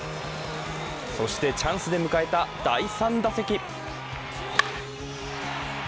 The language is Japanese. そして、チャンスで迎えた第３打席。